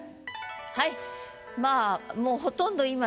はい。